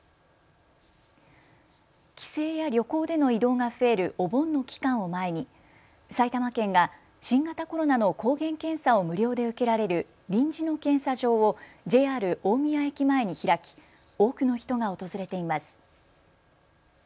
帰省や旅行での移動が増えるお盆の期間を前に埼玉県が新型コロナの抗原検査を無料で受けられる臨時の検査場をＪＲ大宮駅前に開き多くの人が訪れています。